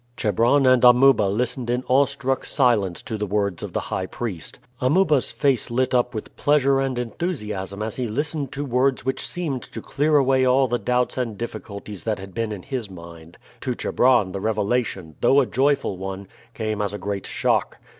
Chebron and Amuba listened in awestruck silence to the words of the high priest. Amuba's face lit up with pleasure and enthusiasm as he listened to words which seemed to clear away all the doubts and difficulties that had been in his mind. To Chebron the revelation, though a joyful one, came as a great shock.